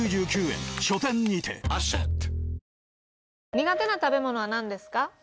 苦手な食べ物はなんですか？